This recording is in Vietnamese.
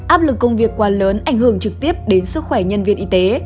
áp lực công việc quá lớn ảnh hưởng trực tiếp đến sức khỏe nhân viên y tế